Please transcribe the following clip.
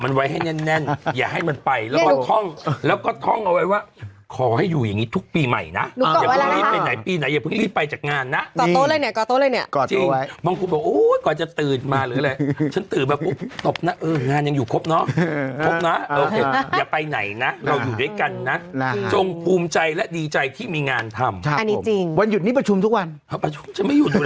ได้แต่ส่งกำลังใจไปนะฮะครับเราไปขอรับตรงชาติกันสักครู่วันนี้นัดแรกของการประชุมคอลโลมอร์